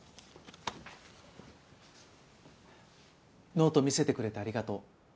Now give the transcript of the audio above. ノート見せてくれてありがとう。